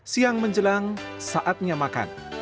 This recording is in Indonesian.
siang menjelang saatnya makan